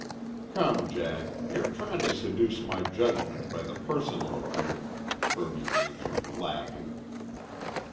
"Come, Jack, you're tryin' to seduce my judgment by the personal appeal," Kirby answered, laughing.